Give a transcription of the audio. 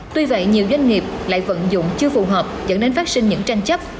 tuy vậy nhiều doanh nghiệp lại vận dụng chưa phù hợp dẫn đến phát sinh những tranh chấp